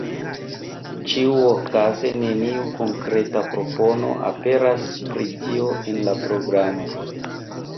Ĉiuokaze neniu konkreta propono aperas pri tio en la programo.